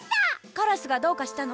カラスがどうかしたの？